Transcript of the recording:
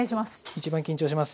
一番緊張します。